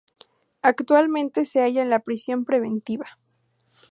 Actualmente se halla en prisión preventiva.